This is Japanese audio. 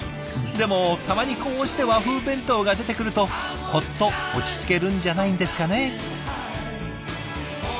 でもたまにこうして和風弁当が出てくるとほっと落ち着けるんじゃないんですかね。